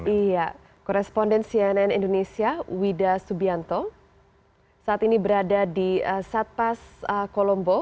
iya koresponden cnn indonesia wida subianto saat ini berada di satpas kolombo